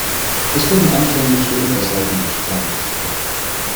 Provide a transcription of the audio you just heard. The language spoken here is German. Es wurden anfänglich weniger Saiten gespannt.